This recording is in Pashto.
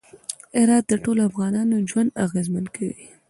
هرات د ټولو افغانانو ژوند اغېزمن کوي.